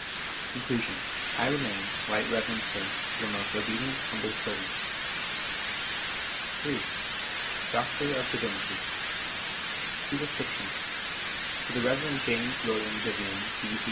Con. I remain, Right Reverend Sir, Your most obedient humble servant. iii. Doctor of Divinity. Sup. To the Reverend James William Vivian, D.